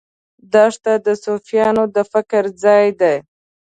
دښته د صوفیانو د فکر ځای دی.